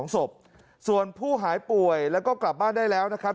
๒ศพส่วนผู้หายป่วยแล้วก็กลับบ้านได้แล้วนะครับ